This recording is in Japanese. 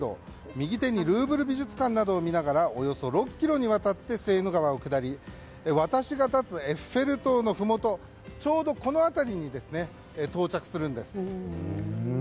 右手にルーブル美術館などを見ながらおよそ６ｋｍにわたってセーヌ川を下り私が経つエッフェル塔のふもとちょうどこの辺りに到着するんです。